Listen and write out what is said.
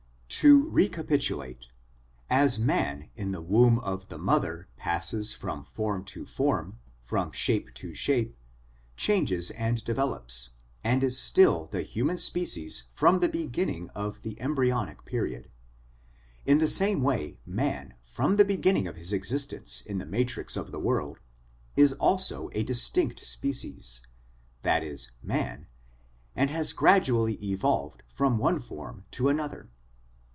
To recapitulate : as man in the womb of the mother passes from form to form, from shape to shape, changes and develops, and is still the human species from the beginning of the embryonic period in the same way man, from the beginning of his existence in the matrix of the world, is also a distinct species, that is, man, and has gradually evolved from one form to another.